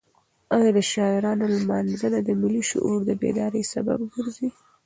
ایا د شاعرانو لمانځنه د ملي شعور د بیدارۍ سبب ګرځي؟